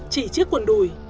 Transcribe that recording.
chỉ chiếc quần đùi